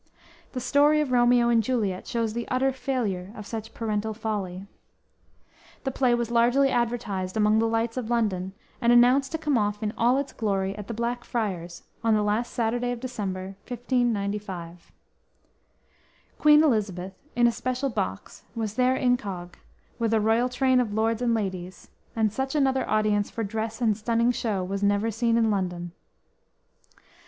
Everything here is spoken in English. The story of Romeo and Juliet shows the utter failure of such parental folly. The play was largely advertised among the lights of London and announced to come off in all its glory at the Blackfriars on the last Saturday of December, 1595. Queen Elizabeth, in a special box, was there incog, with a royal train of lords and ladies; and such another audience for dress and stunning show was never seen in London.